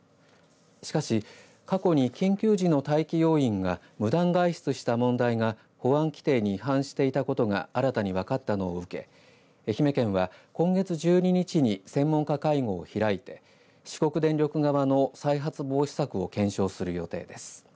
しかし過去に緊急時の待機要員が無断外出した問題が保安規定に違反していたことが新たに分かったのを受け愛媛県は今月１２日に専門家会合を開いて四国電力側の再発防止策を検証する予定です。